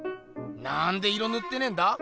なんで色ぬってねえんだ。